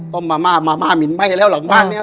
มาม่ามาม่าหมินไหม้แล้วหลังบ้านเนี่ย